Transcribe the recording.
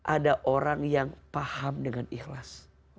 ada orang yang paham dengan ikhlas